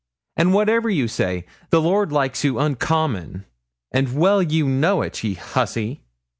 And whatever you say, the lord likes you uncommon, and well you know it, ye hussy.'